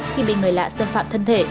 khi bị người lạ xâm phạm thân thể